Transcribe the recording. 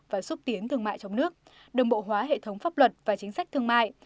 và xúc tiến thương mại trong nước đồng bộ hóa hệ thống pháp luật và chính sách thương mại